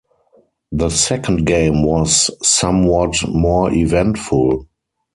The second game was somewhat more eventful.